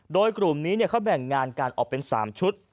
โดยกลุ่มนี้เขาแบ่งงานการออกเป็น๓ชุด